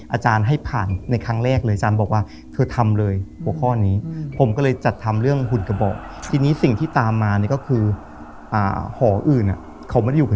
อาจารย์ให้ผ่านในครั้งแรกเลย